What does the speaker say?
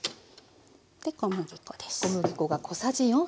で小麦粉です。